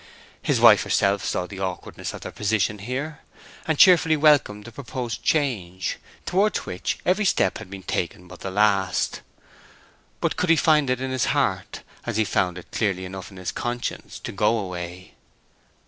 His wife herself saw the awkwardness of their position here, and cheerfully welcomed the purposed change, towards which every step had been taken but the last. But could he find it in his heart—as he found it clearly enough in his conscience—to go away?